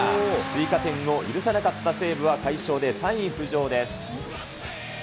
追加点を許さなかった西武は快勝で３位浮上です。